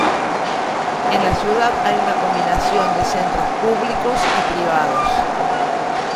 En la ciudad hay una combinación de centros públicos y privados.